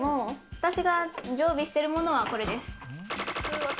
私が常備してるものはこれです。